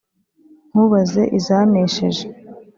Ntubaze izanesheje,